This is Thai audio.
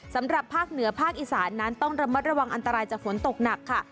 สำหรับภาคเหนือภาคอีสานนั้นต้องระมัดระวังอันตรายจากฝนตกหนักค่ะ